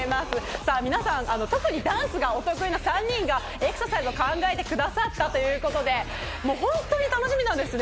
さぁ、皆さん特にダンスがお得意な３人がエクササイズを考えてきてくださったということで本当に楽しみなんですね。